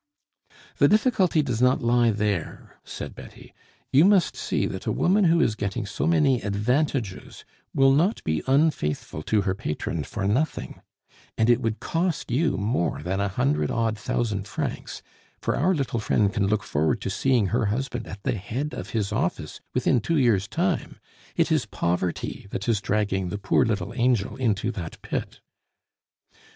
"The difficulty does not lie there," said Betty. "You must see that a woman who is getting so many advantages will not be unfaithful to her patron for nothing; and it would cost you more than a hundred odd thousand francs, for our little friend can look forward to seeing her husband at the head of his office within two years' time. It is poverty that is dragging the poor little angel into that pit."